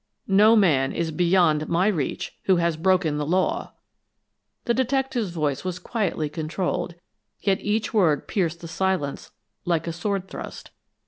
"No man is beyond my reach who has broken the law." The detective's voice was quietly controlled, yet each word pierced the silence like a sword thrust.